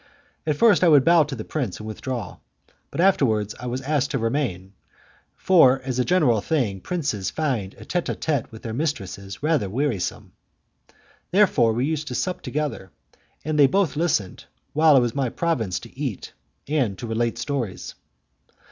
At first I would bow to the prince and withdraw, but afterwards I was asked to remain, for as a general thing princes find a tete a tete with their mistresses rather wearisome. Therefore we used to sup together, and they both listened, while it was my province to eat, and to relate stories.